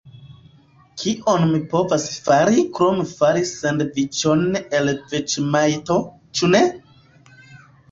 Kion mi povas fari krom fari sandviĉon el veĝemajto, ĉu ne?